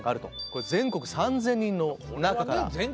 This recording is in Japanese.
これ全国３，０００人の中から。